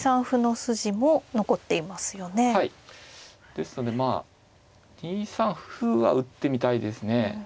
ですのでまあ２三歩は打ってみたいですね。